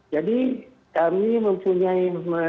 jadi kami mempunyai strategi